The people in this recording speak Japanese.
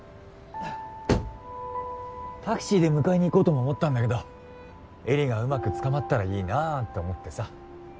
タクシーで迎えに行こうとも思ったんだけど絵里がうまくつかまったらいいなって思ってさ。